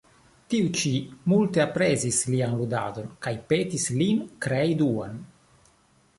Tiu ĉi multe aprezis lian ludadon kaj petis lin krei Duan.